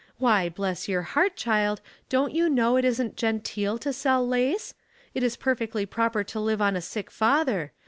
Why, bless your heart, child, don't you know it isn't genteel to sell lace ? It is perfectly proper to live on a sick father.